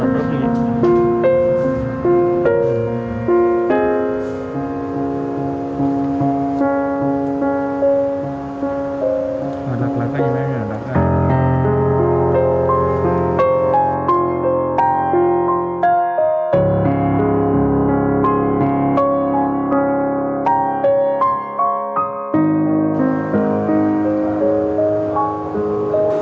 mình đặt lại cái gì mấy người là đặt ra